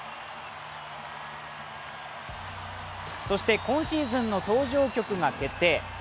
そして今シーズンの登場曲が決定。